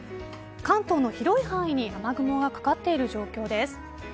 関東の広い範囲に雨雲がかかっている状況です。